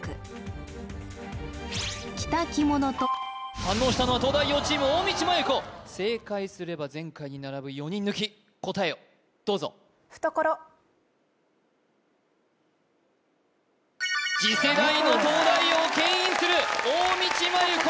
反応したのは東大王チーム大道麻優子正解すれば前回に並ぶ４人抜き答えをどうぞ大道麻優子